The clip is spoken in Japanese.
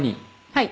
はい。